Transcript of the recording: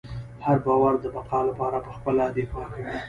هر باور د بقا لپاره پخپله دفاع کوي.